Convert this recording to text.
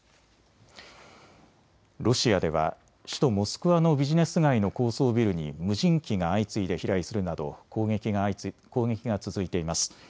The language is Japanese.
ロシアでは首都モスクワのビジネス街の高層ビルに無人機が相次いで飛来するなど攻撃が続いています。